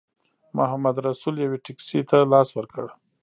محمدرسول یوې ټیکسي ته لاس ورکړ.